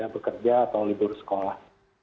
bekerja atau libur sekolah